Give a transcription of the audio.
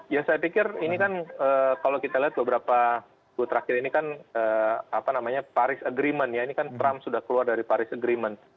ya saya pikir ini kan kalau kita lihat beberapa terakhir ini kan apa namanya paris agreement ya ini kan trump sudah keluar dari paris agreement